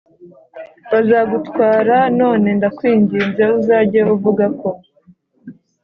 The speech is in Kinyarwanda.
bazagutwara None ndakwinginze uzajye uvuga ko